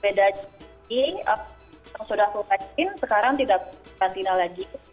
beda lagi yang sudah full vaksin sekarang tidak berantina lagi